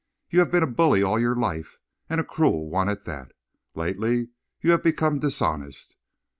"You have been a bully all your life, and a cruel one at that. Lately you have become dishonest.